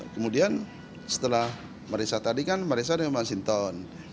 kemudian setelah merisa tadi kan merisa dengan masinton